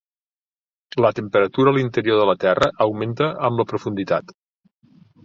La temperatura a l'interior de la Terra augmenta amb la profunditat.